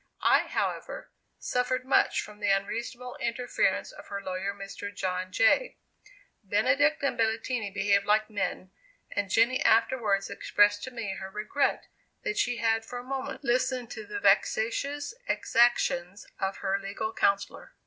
I, however, suffered much from the unreasonable interference of her lawyer, Mr. John Jay. Benedict and Belletti behaved like men, and Jenny afterwards expressed to me her regret that she had for a moment listened to the vexatious exactions of her legal counsellor.